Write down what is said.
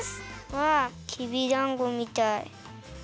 きびだんごみたい。